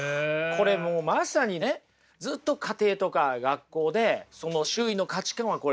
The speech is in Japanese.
これもうまさにねずっと家庭とか学校で周囲の価値観はこれだと。